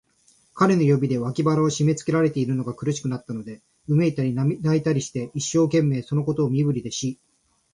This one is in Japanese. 彼の指で、脇腹をしめつけられているのが苦しくなったので、うめいたり、泣いたりして、一生懸命、そのことを身振りで知らせました。